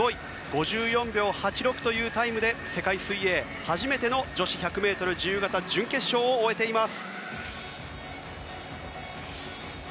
５４秒８６というタイムで世界水泳初めての女子１００ｍ自由形準決勝を終えています。